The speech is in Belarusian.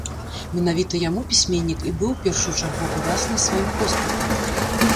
Менавіта яму пісьменнік і быў у першую чаргу абавязаны сваім поспехам.